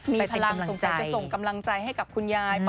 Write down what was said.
มีพลังสงสัยจะส่งกำลังใจให้กับคุณยาย